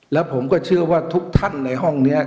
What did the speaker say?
แล้วผมก็เชื่อว่าทุกท่านในห้องนี้